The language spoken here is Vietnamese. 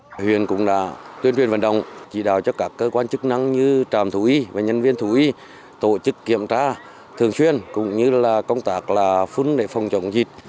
tỉnh quảng trị cũng đã tuyên truyền vận động chỉ đạo cho các cơ quan chức năng như tràm thủ y và nhân viên thủ y tổ chức kiểm tra thường xuyên cũng như công tác phun để phòng chống dịch